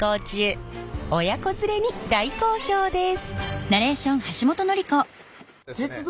親子連れに大好評です。